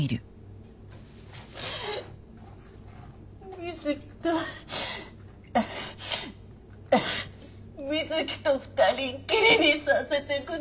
瑞希と瑞希と２人っきりにさせてください。